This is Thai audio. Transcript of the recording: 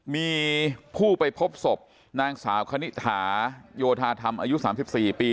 มีผู้ไปพบศพนางสาวคณิตถาโยธาธรรมอายุ๓๔ปี